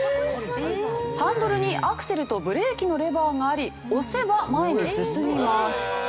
ハンドルにアクセルとブレーキのレバーがあり押せば前に進みます。